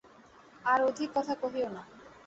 আর অধিক কথা কহিয়ো না।